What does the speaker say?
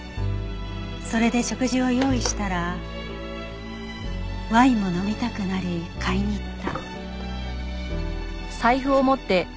それで食事を用意したらワインも飲みたくなり買いに行った。